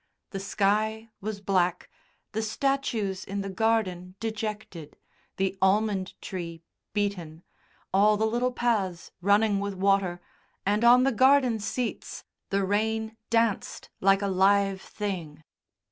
The sky was black, the statues in the garden dejected, the almond tree beaten, all the little paths running with water, and on the garden seats the rain danced like a live thing.